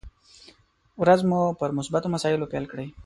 ورځ مو پر مثبتو مسايلو پيل کړئ!